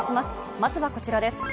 まずはこちらです。